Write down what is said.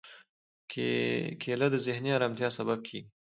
کېله د ذهني ارامتیا سبب کېږي.